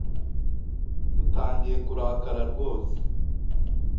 Utangiye kurakara rwose.